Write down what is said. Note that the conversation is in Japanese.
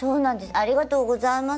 ありがとうございます